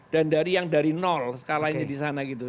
dan dari yang dari skalanya di sana gitu